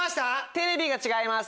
テレビが違います。